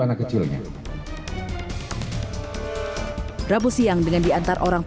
saya tidak bisa mencari penyakit